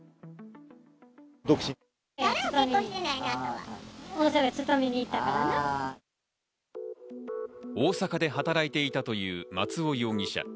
大阪で働いていたという松尾容疑者。